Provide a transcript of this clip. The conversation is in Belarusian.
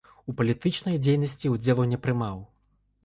У палітычнай дзейнасці ўдзелу не прымаў.